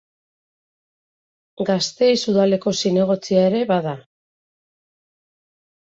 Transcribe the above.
Gasteiz udaleko zinegotzia ere bada.